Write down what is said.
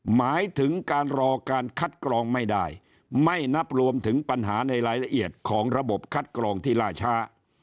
หมายถึงการรอการคัดกรองไม่ได้ไม่นับรวมถึงปัญหาในรายละเอียดของระบบคัดกรองที่ล่าช้า